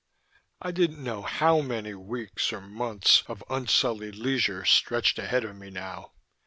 I didn't know how many weeks or months of unsullied leisure stretched ahead of me now.